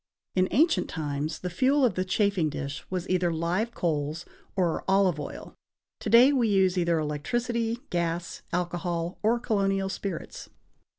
In ancient times, the fuel of the chafing dish was either live coals or olive oil; to day we use either electricity, gas, alcohol or colonial spirits.